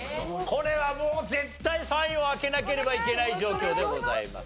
これはもう絶対３位を開けなければいけない状況でございます。